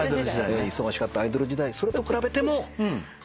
忙しかったアイドル時代それと比べても今の方が。